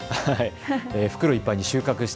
袋いっぱいに収穫した